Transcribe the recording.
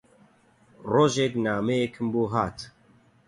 ڕۆژێک نامەیەکم بۆ هات